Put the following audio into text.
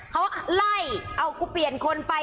เขาไล่เอากูเปลี่ยนคนไป